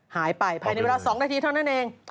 หายไปภายในเวลา๒นาทีเท่านั้นเอง